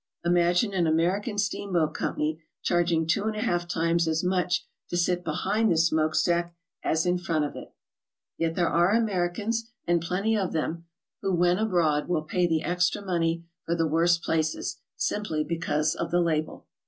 Imagine an American steamboat company charging two and a half times as much to sit behind the smoke stack as in front of it! Yet there are Americans, and HOW TO TRAVEL ABROAD, 73 plenty of them, who when abroad will pay the extra money for the worse places, simply because of the label.